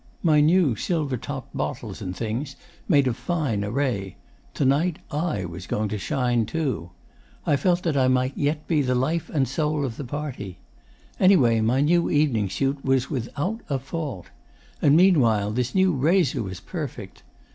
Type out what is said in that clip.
My new silver topped bottles and things made a fine array. To night I was going to shine, too. I felt I might yet be the life and soul of the party. Anyway, my new evening suit was without a fault. And meanwhile this new razor was perfect.